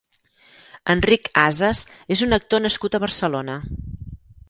Enric Ases és un actor nascut a Barcelona.